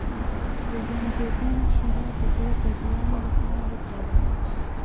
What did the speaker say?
د زنجبیل شیره د زړه بدوالي لپاره وکاروئ